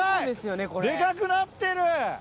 デカくなってる！